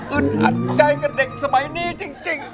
อัดใจกับเด็กสมัยนี้จริง